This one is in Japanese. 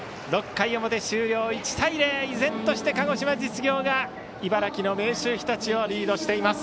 ６回の表終了、１対０依然として鹿児島実業が茨城の明秀日立をリードしています。